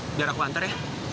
biar aku antar ya